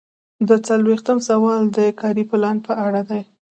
دوه څلویښتم سوال د کاري پلان په اړه دی.